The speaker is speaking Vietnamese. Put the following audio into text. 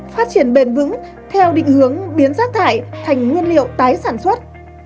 phát triển bền vững theo định hướng biến rác thải thành nguyên liệu tái sản xuất